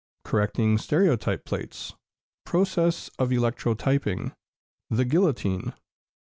Correcting Stereotype Plates. Process of Electrotyping. The "Guillotine."